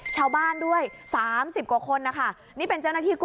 ชาวบ้านด้วย๓๐กว่าคนนะคะนี่เป็นเจ้าหน้าที่กู้